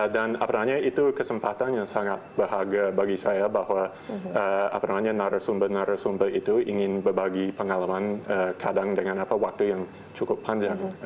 dan apalagi itu kesempatan yang sangat bahagia bagi saya bahwa narasumber narasumber itu ingin berbagi pengalaman kadang dengan waktu yang cukup panjang